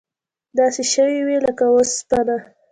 داسې شوي وې لکه وسپنه.